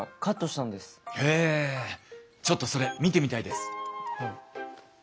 ちょっとそれ見てみたいです。